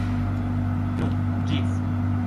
Nu, ĝis!